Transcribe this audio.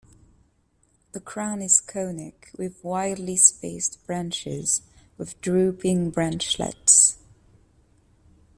The crown is conic, with widely spaced branches with drooping branchlets.